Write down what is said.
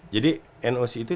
jadi noc itu